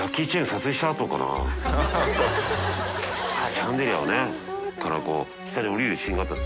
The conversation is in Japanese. シャンデリアから下におりるシーンがあった。